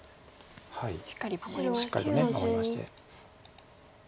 しっかり守りました。